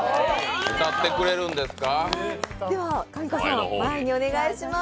歌ってくれるんですか。